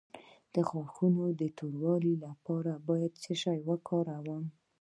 د غاښونو د توروالي لپاره باید څه شی وکاروم؟